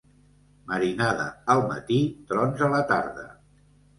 Marinada al matí, trons a la tarda.